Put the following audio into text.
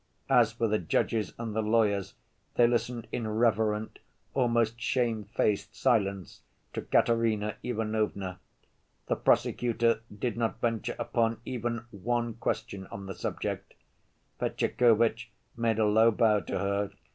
As for the judges and the lawyers, they listened in reverent, almost shame‐faced silence to Katerina Ivanovna. The prosecutor did not venture upon even one question on the subject. Fetyukovitch made a low bow to her.